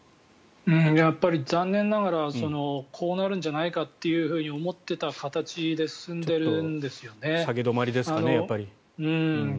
やっぱり残念ながらこうなるんじゃないかと思っていた形で進んでいるんですよね。